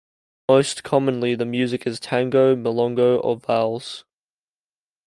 Most commonly the music is tango, milonga or vals.